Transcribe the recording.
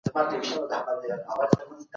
د شپې لخوا درانه خواړه مه خورئ.